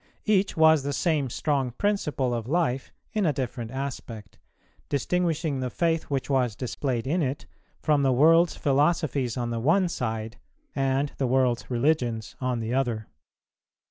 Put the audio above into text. Each was the same strong principle of life in a different aspect, distinguishing the faith which was displayed in it from the world's philosophies on the one side, and the world's religions on the other.